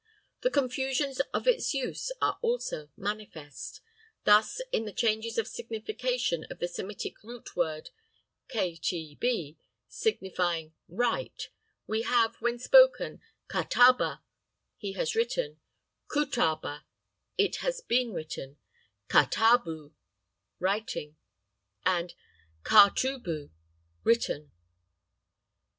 The confusions of its use are also manifest. Thus, in the changes of signification of the Semitic root word, k t b, signifying "write" we have, when spoken, ka ta ba, "he has written," ku ta ba, "it has been written," ka ta bu, "writing," and ka tu bu, "written."